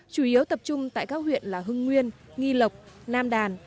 chủ yếu tập trung tại các huyện là hưng nguyên nghi lộc nam đàn